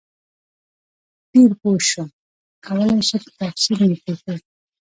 ډېر پوه شم کولای شئ په تفصیل مې پوه کړئ؟